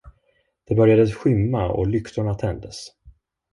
Det började skymma och lyktorna tändes.